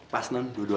pas non dua duanya